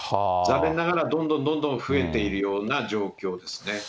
残念ながらどんどんどんどん増えているような状況ですね。